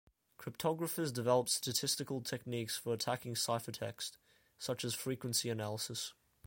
Cryptographers developed statistical techniques for attacking ciphertext, such as frequency analysis.